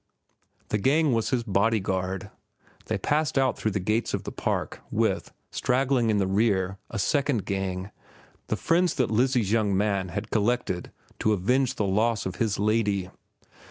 The gang was his body guard. They passed out through the gates of the park with, straggling in the rear, a second gang, the friends that Lizzie's young man had collected to avenge the loss of his lady.